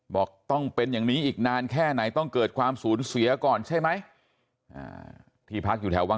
บอกต้องเป็นอย่างนี้อีกนานแค่ไหนต้องเกิดความสูญเสียก่อนใช่ไหม